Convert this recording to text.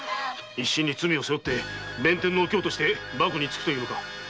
一身に罪を背負って“弁天のお京”として縛に付くというのか。